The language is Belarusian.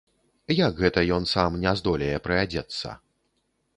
Як гэта, ён сам не здолее прыадзецца?